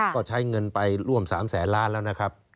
ก็ใช้เงินไปร่วม๓แสนล้านแล้วนะครับ